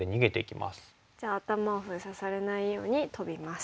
じゃあ頭を封鎖されないようにトビます。